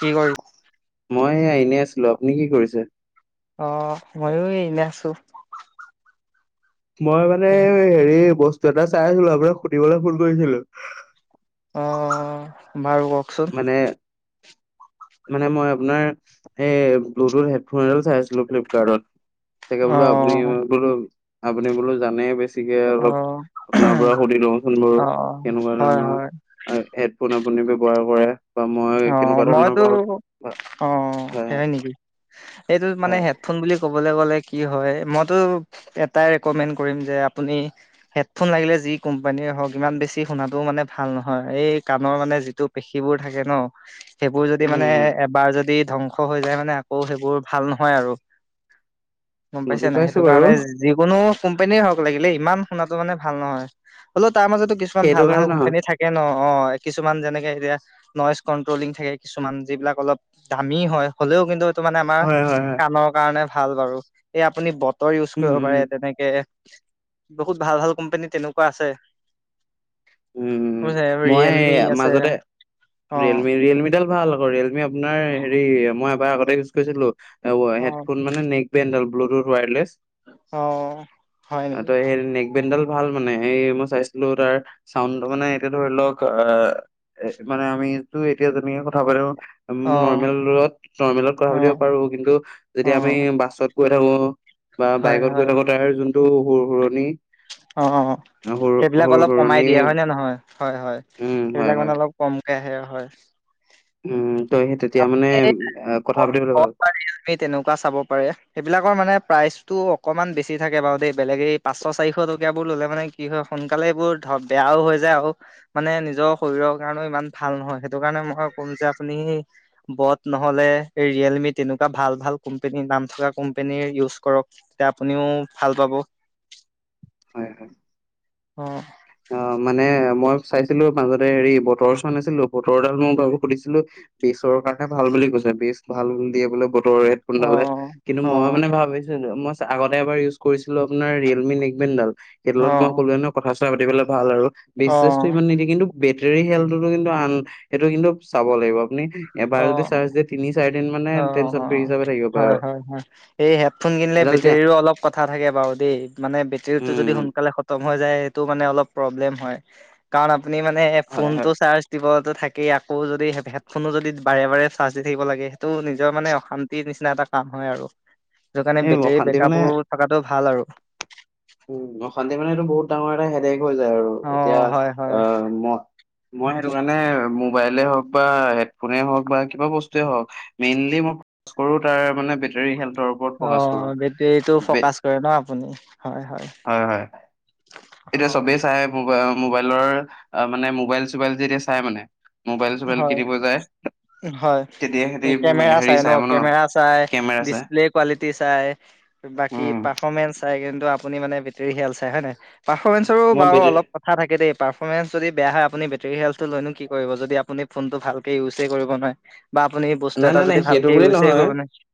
কি কৰি মই এইয়া এনে আছিলোঁ আপুনি কি কৰিছে অ মইয়ো এ এনে আছো মই মানে হেৰি বস্তু এটা চাই আছিলো আপোনাক সুধিবলৈ ফোন কৰিছিলো অ বাৰু কওক মানে [unintelligible] মানে মই আপোনাৰ এই ব্লুটুদ হেডফোন এডাল চাই আছিলো ফ্লিপকাৰ্টত তাকে অ বোলো আপুনি বোলো আপুনি বোলো জানেই বেছ বেছিকে অ অলপ আপোনাৰ পৰা সুধি লওঁচোন বাৰু অ কেনেকুৱা হয় ধৰণৰ হয় হয় হেডফোন আপুনি ব্যৱহাৰ কৰে বা মই অ কেনেকুৱা ধৰণৰ মইতো ভাল অ হয় সেয়াই নিকি এইটোত হয় মানে হয় হেডফোন বুলি ক'বলৈ গ'লে কি হয় মইতো এটাই ৰেকমেণ্ড কৰিম যে আপুনি হেডফোন লাগিলে যি কোম্পানীৰে হওক ইমান বেছি শুনাটোও মানে ভাল নহয় এই কাণৰ মানে যিটো পেশীবোৰ থাকে ন সেইবোৰ যদি উম মানে উম এবাৰ যদি ধ্বংস হৈ যায় মানে আকৌ সেইবোৰ ভাল নহয় আৰু গম পাইছে বুজি নাই পাইছো সেইটো বাৰু কাৰণে যে যিকোনো কোম্পানীয়ে হওক লাগিলে ইমান শুনাটো মানে ভাল নহয় হ'লেও তাৰ মাজতো কিছু কিছুমান সেইটো ভাল ভাল কাৰণে নহয়। কোম্পানী থাকে ন অ কিছুমান যেনেকে এতিয়া নয়েছ কনট্ৰলিং থাকে কিছুমান যিবিলাক অলপ দামী হয় হ'লেও কিন্তু এইটো মানে আমাৰ হয় হয় হয়। কাণক কাৰণে ভাল বাৰু! এই আপুনি বতৰ ইউজ উম কৰিব উম পাৰে তেনেকে। বহুত ভাল ভাল কোম্পানী তেনেকুৱা আছে। উম মই ৰিয়েলমি আছে। মাজতে অ ৰিয়েলমি ৰিয়েলমিডাল ভাল আকৌ, ৰিয়েলমি আপোনাৰ হেৰি মই এবাৰ আগতে ইউজ কৰিছিলোঁ। অ' হেডফোন মানে নেক বেণ্ড আৰু ব্লুটুথ ৱায়াৰলেছ। অ হয় নেকি ত' সেই নেক বেণ্ডডাল ভাল মানে এই মই চাইছিলো তাৰ। চাউণ্ডটো মানে এতিয়া ধৰি লওক আহ মানে আমিটো এতিয়া যেনেকে কথা পাতো। অ নৰ্মেলত নৰ্মেলত কথা অ পাতিব পাৰো, কিন্তু অ যেতিয়া আমি বাছত গৈ থাকোঁ। বা হয় বাইকত গৈ হয় থাকো। তাৰ যোনটো সুৰ-সুৰনি অ' অ' অ', সেইবিলাক অলপ কমাই সুৰণি দিয়ে হয় নে নহয়? হয় হয়, উম হয় সেইবিলাক মানে হয় অলপ খুব কমকে আহে হয়। উম, তই সেই তেতিয়া মানে কথা পাতিবলে ভাল। সেই তেনেকুৱা চাব পাৰে, সেইবিলাকৰ মানে প্ৰাইচটো অকমান বেছি থাকে বাৰু দেই। বেলেগে পাঁচশ চাৰিশ টকীয়াবোৰ ললে মানে কি হয় সোনকালে এইবোৰ ধৰ বেয়াও হৈ যায়। আৰু, মানে নিজৰ শৰীৰৰ কাৰণেও ইমান ভাল নহয়। সেইটো কাৰণে মই কম যে আপুনি বট নহলে, ৰিয়েলমি তেনেকুৱা ভাল ভাল কোম্পানী নাম থকা কোম্পেনীৰ ইউজ কৰক। তেতিয়া আপুনিও ভাল পাব। হয় হয়। অ'। অ' মানে মই চাইছিলো মাজতে হেৰি বতৰ চান আছিলো বতৰৰডাল মোৰ ভাগৰ সুধিছিলো। বিচৰ কাৰণে ভাল বুলি কৈছে। বিচ ভাল দিয়ে বোলে বতৰ হেড অ ফোনডালে। কিন্তু অ মই মানে ভাবিছিলোঁ মই আগতে এবাৰ ইউজ কৰিছিলোঁ আপোনাৰ ৰিয়েলমি নেগভেন ডাল। সেইটো লগত মই ক'লো ন কথা-চথা পাতিবলে ভাল আৰু অ [unintelligible] ইমান নিদিয়ে কিন্তু বেটেৰী খেলতো কিন্তু আন সেইটো কিন্তু চাব লাগিব। আপুনি, এবাৰ অ যদি অ চাৰ্জ দিয়ে, তিনি চাৰি দিন মানে অ টেনচন ফ্ৰী হিচাপে থাকিব পাৰে আৰু। সেই হেডফোন কিনিলে এডাল এতিয়া বেটেৰীৰো অলপ কথা থাকে বাৰু দেই মানে বেটেৰীটো যদি উম সোনকালে খ তম হৈ যায়, সেইটো মানে অলপ প্ৰব্লেম হয়। কাৰণ আপুনি মানে হয় হয় ফোনটো চাৰ্জ দিবটো থাকেই আকৌ যদি হেডফোনো যদি বাৰে বাৰে চাৰ্জ দি থাকিব লাগে, সেইটো নিজৰ মানে অশান্তিৰ নিচিনা এটা কাম হয় আৰু। সেইটো কাৰণে এই বেটেৰী অশান্তি মানে বেকআপো থকাটো ভাল আৰু। উম, অশান্তি মানেটো বহুত ডাঙৰ এটা হেডেক হৈ যায় আৰু অ এতিয়া হয় হয় আহ মই মই সেইটো কাৰণে মোবাইলে হওক বা হেডফোনে হওক বা কিবা বস্তুৱে হওক। মেইনলি মই কৰো তাৰ মানে বেটৰী হেল্থৰ। ওপৰত ফ'কাচ কৰো। অ' বেটেৰীটো বে ফকাচ কৰে ন আপুনি? হয় হয়। হয় হয়, অ এতিয়া চবেই চাই মোবাইলৰ মানে মোবাইল-চোবাইল যেতিয়া চাই মানে। মোবাইল-চোবাইল হয় কিনিব যায়। হয়, তেতিয়া সিহঁতি উম, কেমেৰা হেৰি চাই ন? মানে কেমেৰা চাই, কেমেৰা চাই ডিচপ্লে কোৱালিটি চাই। বাকী, উম, পাৰফমেন্ঞ্চ চাই কিন্তু আপুনি মানে বেটৰী হেল চাই হয় ন পাৰফমেঞ্চৰো মই বাও বেটেৰী অলপ কথা থাকে দেই, পাৰফৰ্মেঞ্চ যদি বেয়া হয়। আপুনি বেটেৰী হেল্থটো লয়নো কি কৰিব, যদি আপুনি ফোনটো ভালকে ইউজে কৰিব নোৱাৰে। বা আপুনি বস্তু নাই এটা নাই নাই যদি সেইটো ভালকে বুলি ইউজে নহয় কৰিব নোৱাৰে।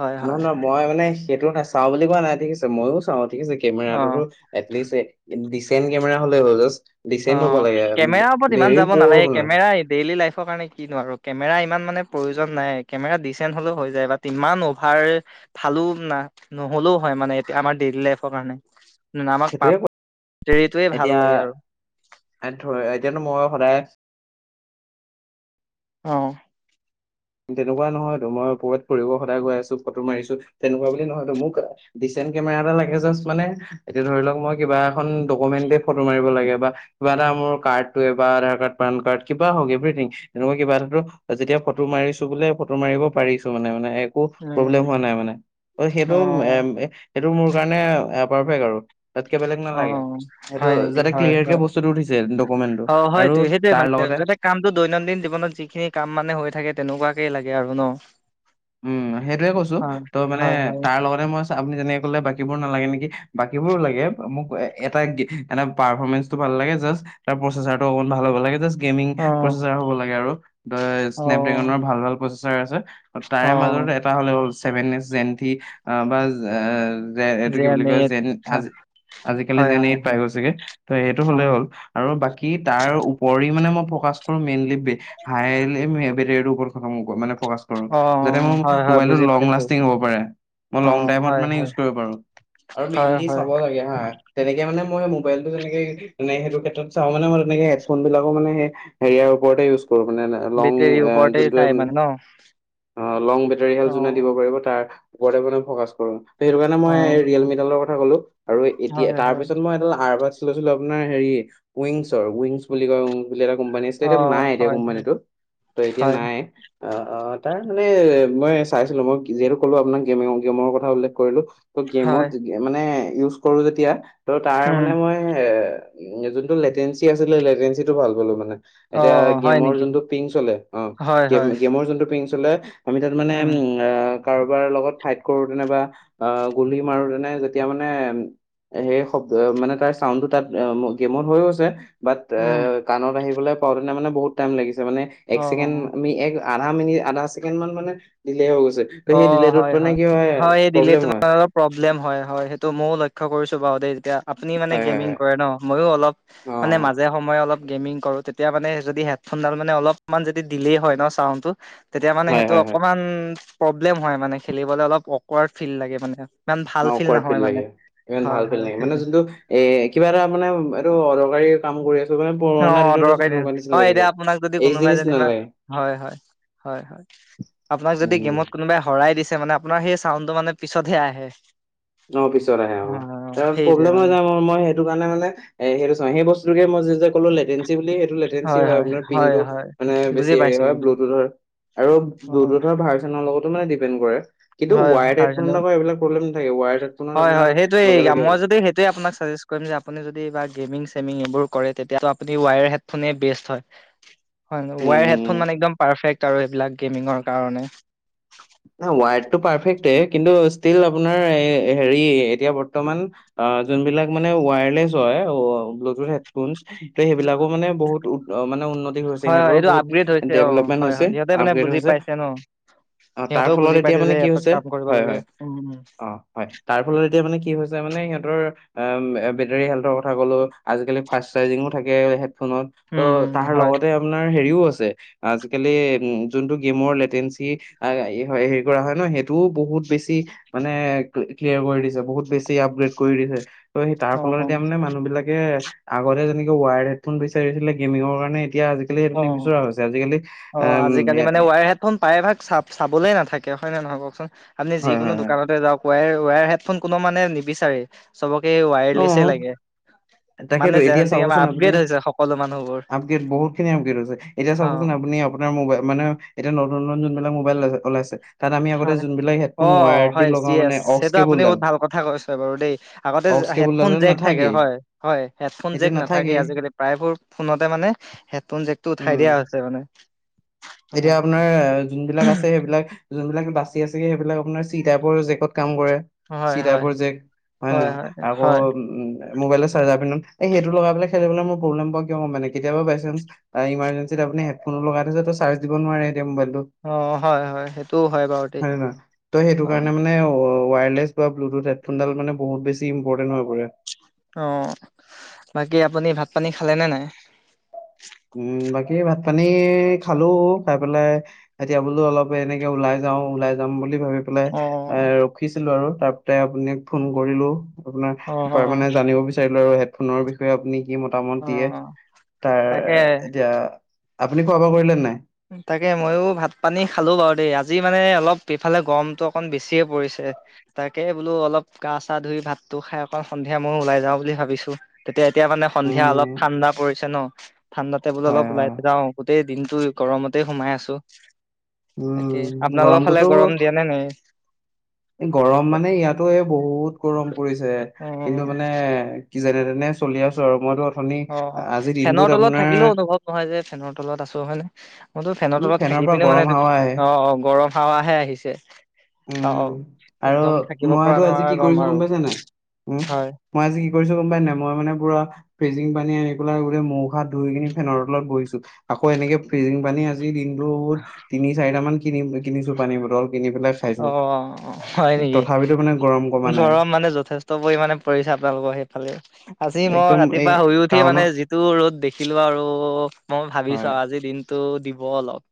হয়, হয়। নহয় নহয় মই মানে সেইটো নাচাওঁ বুলি কোৱা নাই, ঠিক আছে, মইও চাওঁ ঠিক আছে অ কেমেৰাটোতো। এটলিষ্ট ডিচেণ্ট কেমেৰা হলে হয় জাষ্ট। ডিচেণ্ট হ'ব লাগে অ' কেমেৰাৰ ওপৰত ইমান ভেৰি যাব প'ৰ হ'ব নালাগে, কেমেৰা ডেইলি লাইফৰ কাৰণে কি নো আৰু কেমেৰা ইমান মানে প্ৰয়োজন নাই কেমেৰা ডিচেণ্ট হলেও হৈ যায় বাট ইমান অভাৰ ভালো না নহ'লেও হয় মানে এতিয়া আমাৰ ডেইলি লাইফৰ কাৰণে আমাক সেইটোৱে ক- পাৰ্ফেক্টেৰিটোৱে ভাল এতিয়া লাগে আৰু। এই ধৰ এতিয়াতো ময়ো সদায় অ', তেনেকুৱা নহয়তো মই ক'ৰবাত ফুৰিব সদায় গৈ আছোঁ ফটো মাৰিছো তেনেকুৱা বুলি নহয়তো মোক ডিচেন্ট কেমেৰা এটা লাগে জাষ্ট মানে এতিয়া ধৰি লওক মই কিবা এখন ডকুমেণ্টে ফটো মাৰিব লাগে বা কিবা এটা মোৰ কাৰ্ডটোৱে বা আধাৰ কাৰ্ড, পান কাৰ্ড, কিবা হওক এভৰিথিং তেনেকুৱা কিবা এটাতো যেতিয়া ফটো মাৰিছো বোলে ফটো মাৰিব পাৰিছো মানে - মানে এক একো প্ৰব্লেম উম, হোৱা নাই মানে ত' সেইটো অ', - সেইটো মোৰ কাৰণে পাৰফেক আৰু তাতকে বেলেগ নালাগে অ', সেইটো হয় নেকি? যাতে হয়, ক্লিয়াৰ কে হয়। বস্তুটো উঠিছে ডকুমেন্টটো অ', আৰু [unintelligible] তাৰ মানে লগতে যাতে কাম কিন্তু দৈনন্দিন জীৱনত যিখিনি কাম মানে হৈ থাকে তেনেকুৱাকে লাগে আৰু ন'। উম, সেইটোৱে কৈছো হয়, ত' মানে হয়, হয়। তাৰ লগত মই চা আপুনি যেনেকে কলে বাকীবোৰ নালাগে নেকি বাকী বোৰো লাগে মোক এটা [unintelligible] এনে পাৰফমেঞ্চটো ভাল লাগে জাষ্ট তাৰ প্ৰচেচাৰটো অকণ ভাল হ'ব লাগে জাষ্ট গেমিং অ', প্ৰচেচাৰ হ'ব লাগে আৰু দ' স্নেপ অ', ড্ৰেগনৰ ভাল ভাল প্ৰচেচাৰ আছে। তাৰে মাজত অ', এটা হ'লে হ'ল চেভেন নেচ জেন্টি আ, বা যে এইটো কি বুলি কয় যেন হয়, আজি আজিকালি যেন হয়, এইট পাই গৈছেগে ত' এইটো হলে অ', হ'ল। আৰু বাকী তাৰ ওপৰি মানে মোৰ ফকাচতো মেইনলি হাইলী বেটেৰীটো ওপৰত খতম মানে [unintelligible] যাতে অ', মোৰ হয়, হয়, মবাইলটো বুজি লং পাইছো। লাষ্টিং হব পাৰে, মই অ', লং হয়, টাইমত মানে হয়, ইউজ কৰিব পাৰো। আৰু হয়, মেইনলি হয়, চাব লাগে হা তেনেকে মানে মই মোবাইলটো যেনেকে মানে সেইটো ক্ষেত্ৰত চাওঁমানে, মই তেনেকে হেডফোন বিলাকো মানে সেই হেৰিয়াৰ ওপৰতে ইউজ কৰো মানে লং বেটেৰীৰ এ ওপৰতে চাই যোনটোয়ে মানে অ', অ', লং বেটাৰী হেল যোনে দিব পাৰিব তাৰ ওপৰতে মানে ফকাচ কৰো। ত' সেইটো কাৰণে মই অ', ৰিয়েল মি ডালৰ কথা ক'লো আৰু এতিয়া হয়, তাৰ হয়, পিছত মই এডাল আৰ বাচ লৈছিলো আপোনাৰ হেৰি ৱিংছৰ ৱিংছ বুলি কয় উম, বুলি এটা কোম্পানী [unintelligible] অ', নাই এতিয়া হয়, হয়, কোম্পানীতো ত' এতিয়া হয়, নাই। অ', অ', তাৰ মানে মই চাইছিলোঁ মই যিহেতু কলো আপোনাক গেম গেমৰ কথা উল্লেখ কৰিলো। ত' গেমত হয়, মানে ইউজ কৰো যেতিয়া ত' তাৰ উম। মানে মই এ উম, যোনটো লেটেঞ্চি আছিলে লেটেঞ্চিটো ভাল পালো মানে। অ এতিয়া হয় গেমৰ নেকি যোনটো পিং চলে অ', হয় গে হয় গেমৰ যোনটো পিং চলে আমি তাত মানে উম, আ কাৰোবাৰ লগত ফাইট কৰোতেনে বা আ, গুলি মাৰোতেনে যেতিয়া মানে সেই শব্দ মানে তাৰ চাউণ্ডটো তাত গেমত হৈ গৈছে বাট এ উম কাণত আহিবলৈ পাওঁতেনে মানে বহুত টাইম লাগিছে মানে অ এক চছেকেণ্ড আমি এক আধা মিনিট আধা ছেকেণ্ড মান মানে দিলে হৈ গৈছে ত' অ সেই দিলেতোত হয় মানে কি হয় এই দিলে প্ৰব্লেম হয়। তোমাৰ অলপ প্ৰব্লেম হয় - হয়, সেইটো ময়ো লক্ষ্য কৰিছোঁ বাৰু দেই যেতিয়া আপুনি মানে হয় হয় গেমিং হয় কৰে ন' ময়ো অলপ অ মানে মাজে সময়ে অলপ গেমিং কৰো তেতিয়া মানে যদি হেডফোনডাল মানে অলপমান যদি দিলে হয় ন' চাউণ্ডটো তেতিয়া মানে হয় সেইটো হয় হয় অকমান প্ৰব্লেম হয় মানে খেলিবলে অলপ অকৱাৰ্ড ফিল লাগে মানে ইমান ভাল অ', অকৱাৰ্ড নহয় ফিল মানে লাগে, ইমান হয় ভাল ফিল হয় লাগে মানে সেইটোৱে যোনটো এ কিবা এটা মানে এইটো অদৰকাৰী কাম কৰি আছোঁ মানে অ পুৰণা দিনত আছোঁ দৰকাৰী দিন তেনেকুৱা নিচিনা হয় লাগি এতিয়া যায়, আপোনাক যদি এইচ কোনোবাই ডি নিচিনা যেনিবা লাগে হয় হয় হয় হয় আপোনাক যদি উম গেমত কোনোবাই হৰাই দিছে মানে আপোনাৰ সেই চাউণ্ডটো মানে পিছতহে আহে। অ পিছত আহে অ আহ ত সেইটোৱে প্ৰব্লেম হৈ মানে যাম ম মই সেইটোৰ কাৰণে মানে এ সেইটো সেই বস্তুে মই যি যে কলো লেটিন'চি বুলি সেইটো লে লেটিনচি হয় মানে হয় পিনবোৰ হয় মানে বুজি বেছি হেৰি পাইছো হয় বুজি ব্লুটুথৰ আৰু অ ব্লুটুথৰ ভাৰ দিপ্ৰেনট কৰে কিন্তু হয় ভাৰ্জনেল [unintelligible] ৱায়ড ফোনত হয় হয় আপোনাৰ সেইটোয়ে লগে লগে মই যদি সেইটোৱে আপোনাক চাজেষ্ট কৰিম যে আপুনি যদি এইাৰ গেমিং চেমিং এইবোৰ কৰে তেতিয়াতো আপুনি ওৱায়াৰ হেডফোনেই বেষ্ট হয়। হয় ন উম ওৱায়াৰ উম উম হেডফোন মানে একদম পাৰফেক্ট আৰু এইবিলাক গেমিংৰ কাৰণে। ন ওৱায়টো পাৰফেক্টেএ কিন্তু ষ্টিল আপোনাৰ হেৰি এতিয়া বৰ্তমান আ যোনবিলাগ মানে ওৱাৰলেচ হয় ব্লুটুথ হেডফোনচ ত সেইবিলাকো মানে বহুত অ মানে উন্নতি হৈছে হয় হয় সিহঁতৰো এইটো আপগ্ৰেড বহুত হৈছে অ ডেভেলপমেন্ট হয় হয় হৈছে, সিহঁতে মানে আপগ্ৰেড বুজি হৈছে পাইছে ন অ তাৰ সিহঁতেও ফলত বুজি এতিয়া পাইছে মানে যে কি এপত হৈছে কাম কৰিব হয়' লাগে হয় উম উম অ। হয় তাৰ ফলত এতিয়া মানে কি হৈছে মানে সিহঁতৰ বেটেৰী হেল্থৰ কথা ক'লো, আজিকালি ফাষ্ট চাৰ্জিঙো থাকে হেডফোনত টো উম উম তাহাৰ হয় লগতে আপোনাৰ হেৰিও আছে আজিকালি উ যোনটো গেমৰ লেটেঞ্চি হয় হেৰি কৰা হয় ন সেইটোও বহুত বেছি মানে ক্লিয়াৰ কৰি দিছে, বহুত বেছি আপগ্ৰেড কৰি দিছে। ত সেই তাৰ অ ফলত এতিয়া মানে মানুহ বিলাকে আগতে যেনেকে ৱায়াৰড হেডফোন বিচাৰিছিলে গেমিঙৰ কাৰণে এতিয়া অ সেইটো অ নিবিচৰা হৈছে আজিকালি উ কোন প্ৰায়ভাগ চাপ চাবলে নাথাকে হয় নে নহয় কওকচোন আপুনি হয় যিকোনো হয় হয় দোকানতে যাওক ৱাই ৱায়াৰ হেডফোন কোনো মানে নিবিচাৰেই চবকে অ ৱায়াৰলিছে লাগে। মানে তাকেতো এতিয়া যেহনেকে আমাৰ আপগ্ৰেড হৈছে সকলো মানুহবোৰ [unintelligible] বহুত খিনি আপগেত হৈছ এতিয়া অ চাবচোন আপুনি আ মোবাইল মানে এতিয়া নতু নতুন যোনবিলাক মোবাইল ওলাইছে তাত আমি আগতে হয় যোনবিলাক অ হেডফোন ৱায়াৰ্ড দি হয় লগা মানে ইয়েছ অক্স সেইটো আপুনি কেবলডাল' বহুত ভাল কথা কৈছ বাৰু দেই আগতে কেবুলডাল হেডফোন জেক থাকে নাথাকেই হয়! হয় হেডফোন এতিয়া জেক নাথাকে নাথাকেই আজিকালি প্ৰায়বোৰ ফোনতে মানে হেতফন জেকটো ওঠাই দিয়া উম হৈছে মানে। এতিয়া হয় আপোনাৰ যোনবিলাক আছে সেইবিলাক যোনবিলাক বাচি আছেগে সেইবিলাক আপোনাৰ চি টাইপৰ জেকত কাম কৰে। হয় হয় চিটাইপৰ জেক হয় ন আকৌ উ মোবাইল চাৰ্জাৰ পিন্ধ এই সেইটো লগাই পেলাই খেলিবলে মোৰ প্ৰব্লেম কিয় কম মানে কেতিয়াবা বাই চানঞ্চ ইমাৰজেঞ্চিত আপুনি হেডফোনো লগাই থৈছে তো চাৰ্জ দিব নোৱাৰে এতিয়া মোবাইলটো অ হয় হয় সেইটোও হয় বাৰু দেই হয়ে নহয় ত সেইটো হয় কাৰণে মানে ওৱাৰলেচ ব্লুটুথ হেডফোনডাল মানে বহুত বেছি ইম্পৰ্টেন্ট হৈ পৰে। অ বাকী আপুনি ভাত পানী খালে নে নাই? উম বাকী ভাত পানী খালো'খাই পেলাই এতিয়া বোলো অলপ এনেকে ওলাই যাও' ওলাই যাম বুলি ভাবি পেলাই অ এ ৰখিছিলো আৰু তাৰপতে আপোননাক ফোন কৰিলো! আপোনাৰ অ তাৰ মানে জানিব বিচাৰিলো আৰু হেডফোনৰ বিষয়ে আপুনি মতামত অ দিয়ে তাৰ তাকে এতিয়া আপুনি খোৱা বোৱা কৰিলে নাই? তাকে ময়ো ভাত পানী খালো বাৰু দেই, আজি মানে অলপ ইফালে গৰমতটো অকণ বেছিয়ে পৰিছে। তাকে বোলো অলপ গা চা ধুই ভাতটো খাই অকণ সন্ধিয়া ময়ো ওলাই যাওঁ বুলি ভাবিছো। তেতিয়া এতিয়া? মানে সন্ধিয়া উম, অলপ ঠাণ্ডা পৰিছে ন? ঠাণ্ডাতে বোলো হয় অলপ ওলাই হয়। যাও গোটেই দিনটো গৰমতে সোমাই আছো। তাকে উম আপোনালোকৰ ফালে গৰমটোতো গৰম দিয়া নে নাই? গৰম মানে ইয়াত তোয়ে বহুত গৰম পৰিছে অ কিন্তু মানে কি যেনে তেনে চলি আছো আৰু, মই তো অঁ ফেনৰ তলত থাকিলেও অনুভৱ নহয় যে ফেনৰ তলত আছো হয় ন? মইতো ফেনৰ উম তলত থাকি পৰা পিনি মানে গৰম হাৱা আহে অঁ গৰম হাৱাহে আহিছে। অ উম অ। আৰু একদম থাকিব পৰা মইতো আজি নোৱাৰা কি গৰম কৰিছো আৰু গম পাইছে নাই? উম হয় মই আজি কি কৰিছো গম পাই নাই, মই মানে পুৰা ফ্ৰিজিং পানী ৰেগুলাৰ গোটে মোখ হাত ধুই কিনি ফেনৰ তলত বহিছো। আকৌ এনেকে ফিজিং পানী আজিৰ দিন টো বহুত তিনি চাৰিটা মান কিনি কিনিছো পানী বটল, কিনি পেলাই খাইছো উঅ হয় নেকি? তথাপিতো মানে গৰম কমা নাই গৰম মানে যথেষ্ট পৰিমাণে পৰিছে, আপোনালোকৰ সেইফালে? আজি মই একদম এই ৰাতিপুৱা শুই উঠি মানে টাউনত টো ৰ'দ দেখিলো আৰু মই ভাবিছো হয় আৰু আজি দিনতটো দিব অলপ।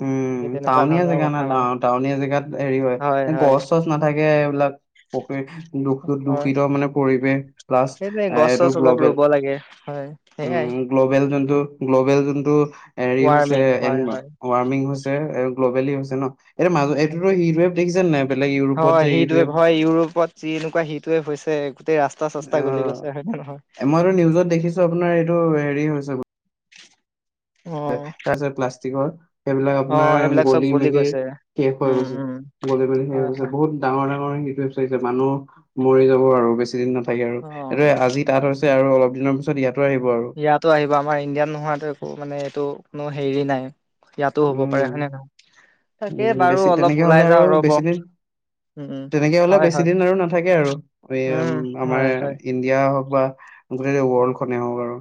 উম সেই তেনেকুৱা টাউনীয়া ধৰণৰ জেগা না কথা টা মানে টাউনীয়া জেগাত হেৰি হয় গছ চছ নাথাকে এইবিলাক পকি দুখ হয় দুষিত মানে পৰিবেশ। প্লাছ সেইটোৱে গছ এইটো চছ অলপ গ্ল'বেল, ৰুব লাগে হয় সেইয়াই উম। গ্ল'বেল যোনটো গ্ল'বেল যোনটো হেৰি হৈছে। ৱাৰ্মিং হয় হয়। ৱাৰ্মিং হৈছে আৰু গ্ল'বেলি হৈছে ন, এইটো মাজ এইটোতো হিট ৱেব দেখিছে নাই? বেলেগ ইউৰোপত হয় যে হিট সিটোৱে ৱেভ হয় ইউৰোপত যি এনেকুৱা সিটোৱে হৈছে গোটেই ৰাষ্ট চস্তা অ, চস্তা গলি গৈছে হয় নে নহয়? মইতো নিউজত দেখছ আপোনাৰ এইটো হেৰি হৈছে। তাৰপিছত প্লাষ্টিকৰ সেইবিলাক অ আপোনাৰ সেইবিলাক চব গলি মেলি গৈছে শেষ হৈ উম গৈছে, উম গলি মেলি শেষ হৈ হয় গৈছে হয় বহুত ডাঙৰ ডাঙৰ সিটো চাৰিছে মানুহ মৰি যাব আৰু, বেছি দিন নাথাকে আৰু অ এইটো এইয়ে আজি, তাত হৈছে আৰু অলপ দিনৰ পিছত ইয়াতো আহিব আৰু। ইয়াতো আহিব আমাৰ ইণ্ডিয়াত নোহোৱাতো একো মানে এইটো কোনো হেৰি নাই ইয়াতো হ'ব পাৰে উম হয় নে নহয়? তাকে উম বাৰু বেছি অলপ তেনেকে ওলাই হলে যাওঁ আৰু ৰ'ব বেছিদিন উম উম তেনেকে হলে হয় বেছি হয় দিন আৰু নাথাকে আৰু, এই উম আমাৰ হয় হয় এয়া হওক বা গোটেই ৱৰ্ল্ড খনেই হওক আৰু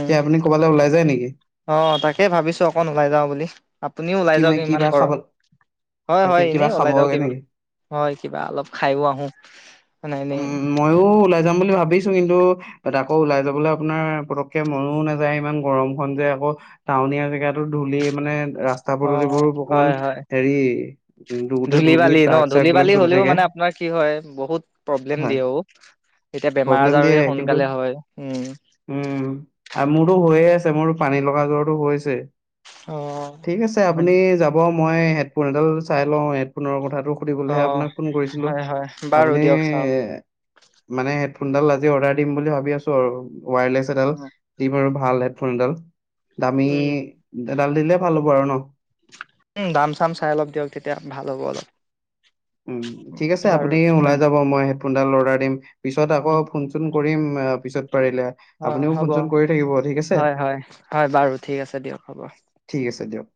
এতিয়া আপুনি ক'বালৈ ওলাই যায় নেকি? অঁ তাকে ভাবিছো অকণ ওলাই যাওঁ বুলি, আপুনিও ওলাই কি ম যাওক ইমান কিবা খাব গৰম। হয় তাকে হয় কিবা এনেই ওলাই যাও খাবগে কিবা নেকি হয় কিবা অলপ খাইও আহো। অঁ নাই নাই ময়ো ওলাই যাম বুলি ভাবিছোঁ, কিন্তু তাত আকৌ ওলাই যাবলৈ আপোনাৰ পতক মনও নাযায় ইমান গৰমখন যে আকৌ টাউনীয়া জেগাতো ধূলি মানে ৰা ৰাস্তা অ পদূলিবোৰো অকমান হয় হয় হেৰি ধোতে ধূলি বালি ন ট্ৰাক চাক ধূলি বিলাক বালি চলি হ'লেও থাকে। মানে আপোনাৰ কি হয় বহুত প্ৰব্লেম হয় দিয়ে ঔ। এতিয়া বেমাৰ প্ৰব্লেম আজাৰ দিয়ে কিন্তু সোনকালে হয়, উম। উম আ মোৰতো হৈয়ে আছে মোৰতো পানী লগা জ্বৰতো হৈছেই অ। ঠিক আছে আপুনি যাব, মই হেডফোন এডাল চাই লওঁ হেডফোনৰ কথাটো অ সুধিবলেহে আপোনাক ফোন কৰিছিলো। হয় হয় বাৰু আপুনি, দিয়ক চাওক মানে হেডফোনডাল আজি অৰ্ডাৰ দিম বুলি ভাবি আছো আৰু উৱাৰলেছ এডাল দিম আৰু ভাল হেডফোন এডাল দামী এডাল দিলে ভাল হ'ব আৰু ন উম দাম চাম চাই লক দিয়ক তেতিয়া ভাল হ'ব অলপ উম ঠিক আছে বাৰু আপুনি ওলাই উম যাব মই হেফোনডাল অৰ্ডাৰ দিম পিছত আকৌ উম ফোন চোন কৰিম পিছত পাৰিলে অ আপুনিও ফোন হ'ব চোন কৰি থাকিব ঠিক আছে হয় হয় হয় বাৰু ঠিক আছে দিয়ক হ'ব ঠিক আছে দিয়ক